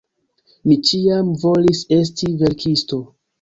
Mi ĉiam volis esti verkisto.